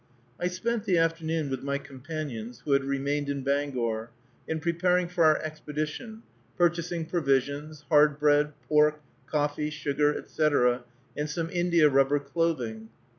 I spent the afternoon with my companion, who had remained in Bangor, in preparing for our expedition, purchasing provisions, hard bread, pork, coffee, sugar, etc., and some india rubber clothing.